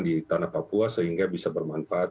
di tanah papua sehingga bisa bermanfaat